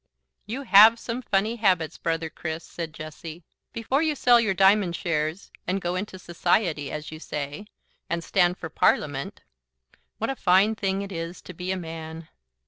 "You HAVE some funny habits, brother Chris," said Jessie. "Before you sell your diamond shares and go into society, as you say, and stand for Parliament What a fine thing it is to be a man!